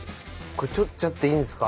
これ撮っちゃっていいんですか？